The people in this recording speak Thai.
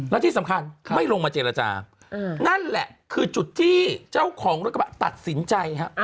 แล้วที่สำคัญไม่ลงมาเจรจานั่นแหละคือจุดที่เจ้าของรถกระบะตัดสินใจฮะ